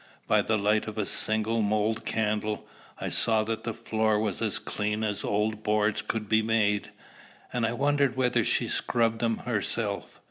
By the light of a single mould candle, I saw that the floor was as clean as old boards could be made, and I wondered whether she scrubbed them herself.